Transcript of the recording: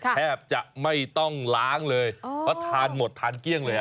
แทบจะไม่ต้องล้างเลยเพราะทานหมดทานเกลี้ยงเลย